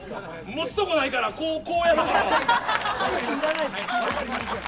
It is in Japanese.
持つとこないからこうやってる。